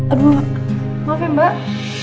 aduh maaf ya mbak